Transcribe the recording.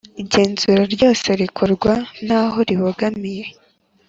Igenzura ryose rikorwa ntaho ribogamiye